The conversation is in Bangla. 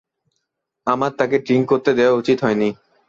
আমার তাকে ড্রিঙ্ক করতে দেওয়া উচিত হয়নি।